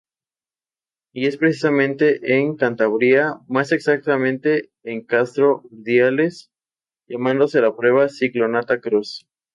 Y es precisamente en Cantabria, más exactamente en Castro Urdiales llamándose la prueba Ciclo-Nata-Cross.